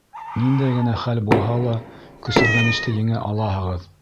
Ниндәй генә хәл булһа ла, көсөргәнеште еңә алаһығыҙ.